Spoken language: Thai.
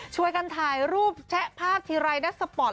ช่วยกันถ่ายรูปแชะภาพทีไรนะสปอร์ต